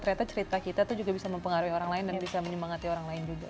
ternyata cerita kita tuh juga bisa mempengaruhi orang lain dan bisa menyemangati orang lain juga